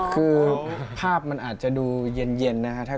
คือภาพมันอาจจะดูเย็นนะครับ